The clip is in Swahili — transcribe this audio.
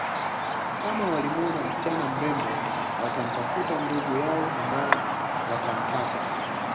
Kama walimwona msichana mrembo watamtafuta ndugu yao ambaye watamtaka